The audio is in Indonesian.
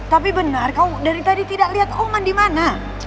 tapi benar kau dari tadi tidak liat oman dimana